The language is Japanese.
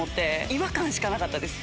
違和感しかなかったです